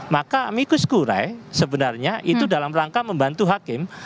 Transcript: maka mikus kurai sebenarnya itu dalam rangka membantu hakim